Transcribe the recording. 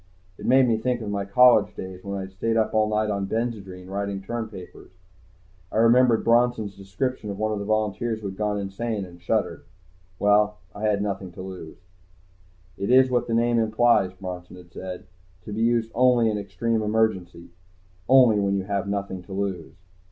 It made me think of my college days, when I had stayed up all night on benzedrine, writing term papers. I remembered Bronson's description of one of the volunteers who had gone insane, and shuddered. Well, I had nothing to lose. "It is what its name implies," Bronson had said. "To be used only in extreme emergency. Only when you have nothing to lose."